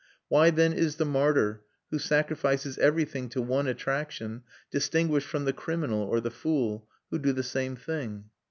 Why then is the martyr, who sacrifices everything to one attraction, distinguished from the criminal or the fool, who do the same thing?